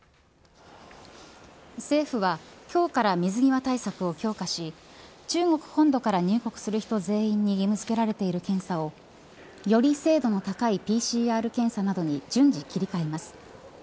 政府は今日から水際対策を強化し中国本土から入国する人全員に義務付けられている検査をより精度の高いＰＣＲ検査などに順次切り替えます。